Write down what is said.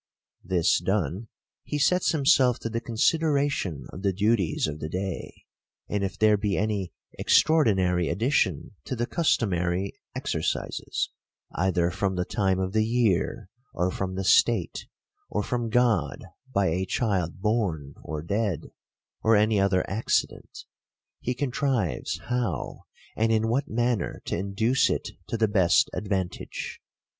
This done, he sets himself to the consideration of the duties of the day ; and if there be any extraordinary addition to the customary exercises, either from the time of the year, or from the state, or from God by a child born, or dead, or any other accident, he contrives THE COUNTRY PARSON. 21 how and in what manner to induce it to the best advantage.